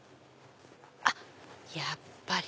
あっやっぱり。